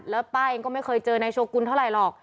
แล้วป้าเองก็ไม่เคยเจอนายโชกุลเท่าไหร่หรอก